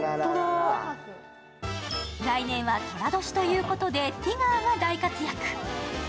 来年はとら年ということでティガーが大活躍。